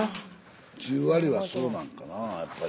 十割はそうなんかなぁやっぱり。